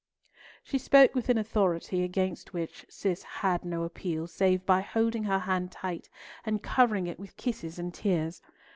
She spoke with an authority against which Cis had no appeal, save by holding her hand tight and covering it with kisses and tears.